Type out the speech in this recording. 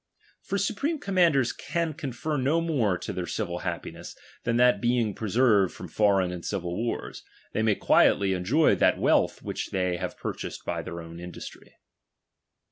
For su preme commanders can confer no more to their civil happiness, than that being preserved from foreign and civil wars, they may quietly enjoy that ■wealth which they have purchased by their own industry.